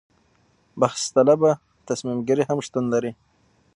بحث طلبه تصمیم ګیري هم شتون لري.